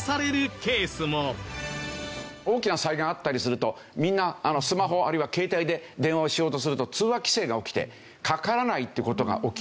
大きな災害あったりするとみんなスマホあるいは携帯で電話をしようとすると通話規制が起きてかからないって事が起きるわけですね。